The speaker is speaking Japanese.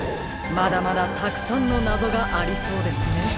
まだまだたくさんのなぞがありそうですね。